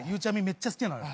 めっちゃ好きなのよ。